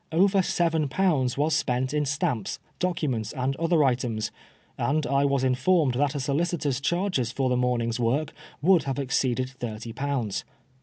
Over seven pounds was spent in stamps, documents, and other items ; and I was informed that a solicitor's charges for the morning's work would have exceeded thirty pounds.